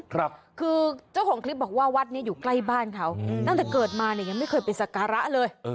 คือเจ้าของคลิปบอกว่าวัดนี้อยู่ใกล้บ้านเขาตั้งแต่เกิดมาเนี่ยยังไม่เคยไปสักการะเลย